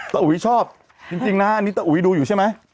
อุ๋ยชอบจริงนะอันนี้ตาอุ๋ยดูอยู่ใช่ไหม